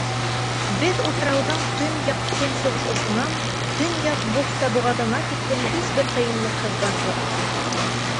Беҙ утрауҙың төньяҡ-көнсығыш осонан Төньяҡ бухта боғаҙына тиклем һис бер ҡыйынлыҡһыҙ барҙыҡ.